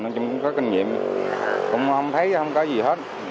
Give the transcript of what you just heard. nên chúng cũng có kinh nghiệm cũng không thấy không có gì hết